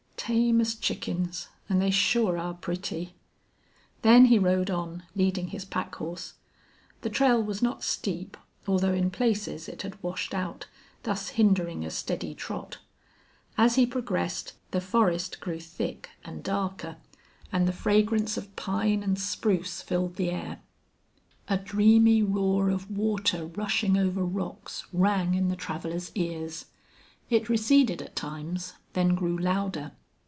"Tame as chickens, an' they sure are pretty." Then he rode on, leading his pack horse. The trail was not steep, although in places it had washed out, thus hindering a steady trot. As he progressed the forest grew thick and darker, and the fragrance of pine and spruce filled the air. A dreamy roar of water rushing over rocks rang in the traveler's ears. It receded at times, then grew louder.